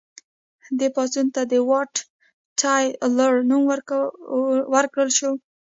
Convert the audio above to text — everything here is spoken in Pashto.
دې پاڅون ته د واټ تایلور نوم ورکړل شو.